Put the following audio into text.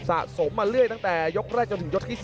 ดาบดำเล่นงานบนเวลาตัวด้วยหันขวา